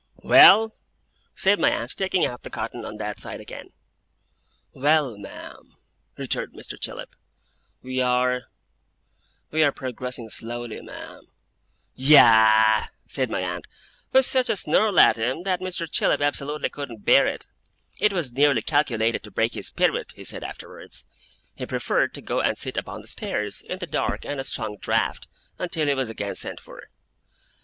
'Well?' said my aunt, taking out the cotton on that side again. 'Well, ma'am,' returned Mr. Chillip, 'we are we are progressing slowly, ma'am.' 'Ya a ah!' said my aunt. With such a snarl at him, that Mr. Chillip absolutely could not bear it. It was really calculated to break his spirit, he said afterwards. He preferred to go and sit upon the stairs, in the dark and a strong draught, until he was again sent for.